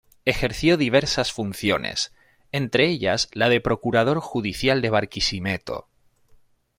Ejerció diversas funciones, entre ellas la de Procurador Judicial de Barquisimeto.